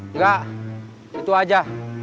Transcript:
nggak itu aja